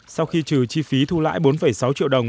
sau khi trừ chi phí thu lãi bốn sáu triệu đồng